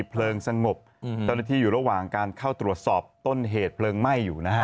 เพลิงสงบเจ้าหน้าที่อยู่ระหว่างการเข้าตรวจสอบต้นเหตุเพลิงไหม้อยู่นะฮะ